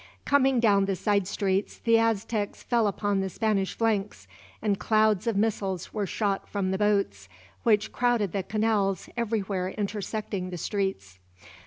Coming down from the side streets, the Aztecs fell upon the Spanish flanks; and clouds of missiles were shot from the boats, which crowded the canals everywhere intersecting the streets.